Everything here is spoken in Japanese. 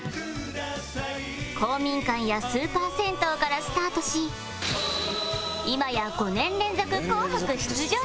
公民館やスーパー銭湯からスタートし今や５年連続『紅白』出場中